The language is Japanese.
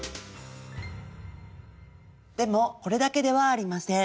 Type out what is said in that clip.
でもこれだけではありません。